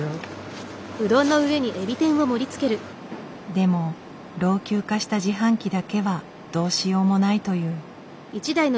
でも老朽化した自販機だけはどうしようもないという。